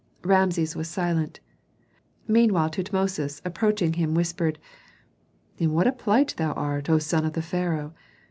Rameses was silent; meanwhile Tutmosis, approaching him, whispered, "In what a plight thou art, O son of the pharaoh!